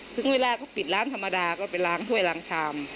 ถึงเวลาก็ปิดร้านธรรมดาก็ไปล้างถ้วยล้างชาม